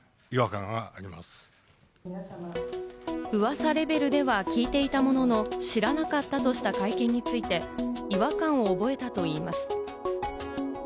噂レベルでは聞いていたものの、知らなかったとした会見について、違和感を覚えたといいます。